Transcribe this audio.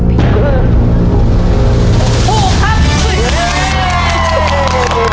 ถูกครับ